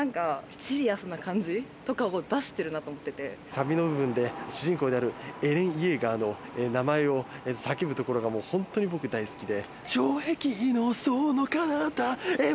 サビの部分で、主人公であるエレン・イェーガーの名前を叫ぶところが、本当に僕、大好きで。」